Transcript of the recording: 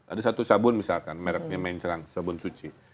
ada satu sabun misalkan merknya mencelang sabun cuci